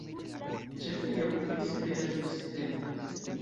Ĉefe li okupiĝis pri la sunsistemo.